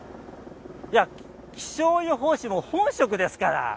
気象予報士も本職ですから。